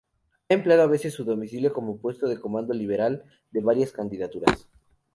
Ha empleado a veces su domicilio como puesto de comando liberal de varias candidaturas.